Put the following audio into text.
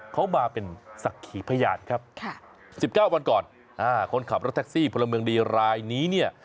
เขามาเป็นศักดิ์ขีพยานครับ๑๙วันก่อนคนขับรถแท็กซี่พลเมืองดีรายนี้เนี่ย